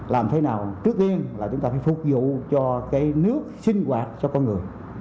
làm thế nào trước tiên là chúng ta phải phục vụ cho cái nước sinh hoạt cho con người